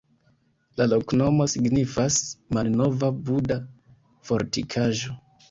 La loknomo signifas: malnova-Buda-fortikaĵo.